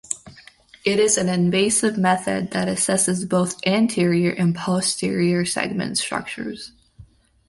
It is an invasive method that assesses both anterior and posterior segment structures.